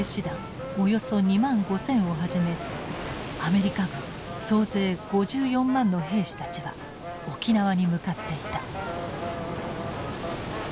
およそ２万５，０００をはじめアメリカ軍総勢５４万の兵士たちは沖縄に向かっていた。